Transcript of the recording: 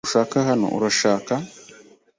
Ntushaka hano, urashaka?